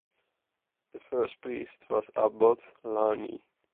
The first priest was Abbot Launay.